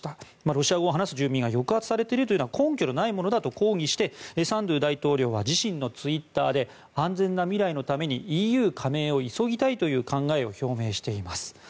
ロシア語を話す住民が抑圧されているというのは根拠のないものだと抗議してサンドゥ大統領は自身のツイッターで安全な未来のためにＥＵ加盟を急ぎたいという考えを表明しています。